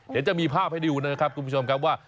เดี๋ยวจะมีภาพให้ดูนะครับคุณผู้ชมครับว่า